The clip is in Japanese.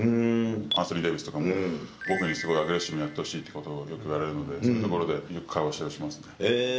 アンソニー・デイビスとかも僕にすごいアグレッシブにやってほしいということをよく言われるので、そういうところで、よく会話をよ